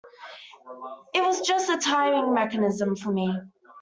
It was just a timing mechanism for me.